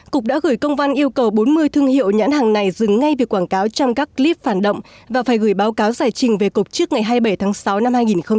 cục đã gửi công văn yêu cầu bốn mươi thương hiệu nhãn hàng này dừng ngay việc quảng cáo trong các clip phản động và phải gửi báo cáo giải trình về cục trước ngày hai mươi bảy tháng sáu năm hai nghìn hai mươi